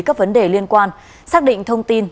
các vấn đề liên quan xác định thông tin